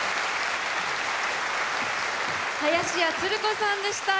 林家つる子さんでした。